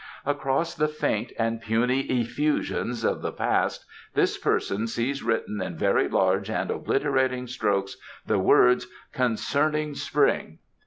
"Across the faint and puny effusions of the past this person sees written in very large and obliterating strokes the words 'Concerning Spring.